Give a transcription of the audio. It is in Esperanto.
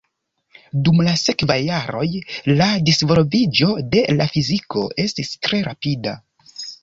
Dum la sekvaj jaroj la disvolviĝo de la fiziko estis tre rapida.